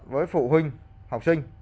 với phụ huynh học sinh